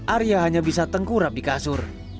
arya hanya bisa tengkurap di kasur